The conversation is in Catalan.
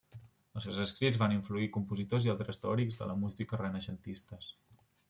Els seus escrits van influir compositors i altres teòrics de la música renaixentistes.